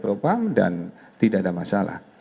propam dan tidak ada masalah